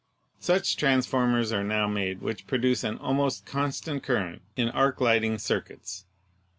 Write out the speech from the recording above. Such transformers are now made which produce an almost constant current in arc lighting circuits.